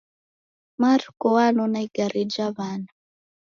Marko wanona igare ja w'ana